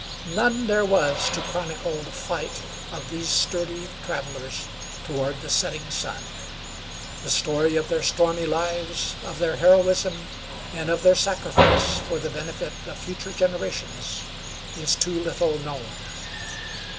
None there was to chronicle the fight of these sturdy, travelers toward the setting sun. The story of their stormy lives, of their heroism, and of their sacrifice for the benefit of future generations is too little known.